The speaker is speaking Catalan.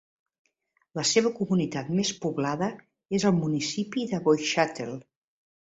La seva comunitat més poblada és el municipi de Boischatel.